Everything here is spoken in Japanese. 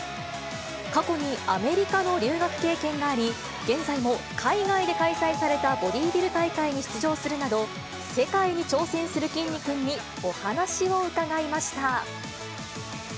過去にアメリカの留学経験があり、現在も海外で開催されたボディービル大会に出場するなど、世界に挑戦するきんに君にお話を伺いました。